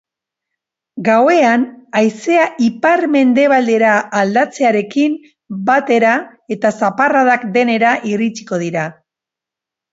Gauean, haizea ipar-mendebaldera aldatzearekin batera eta zaparradak denera iritsiko dira.